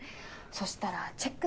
そしたらチェックで。